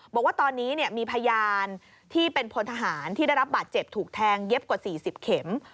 บอกว่าตอนนี้มีพยานที่เป็นพลทหารที่ได้รับบาดเจ็บถูกแทงเย็บกว่า๔๐เข็ม